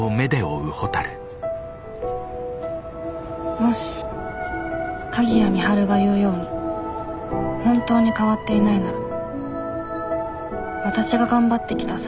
もし鍵谷美晴が言うように本当に変わっていないならわたしが頑張ってきた３年って何だったの？